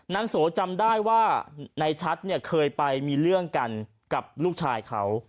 โสจำได้ว่าในชัดเนี่ยเคยไปมีเรื่องกันกับลูกชายเขา